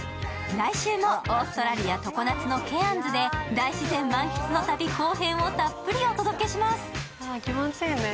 来週もオーストラリア常夏のケアンズで大自然満喫の旅後編をたっぷりとお伝えします。